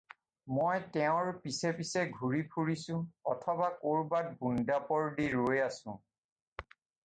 মই তেওঁৰ পিছে পিছে ঘূৰি ফুৰিছোঁ অথবা ক'ৰবাত বোন্দাপৰ দি ৰৈ আছোঁ।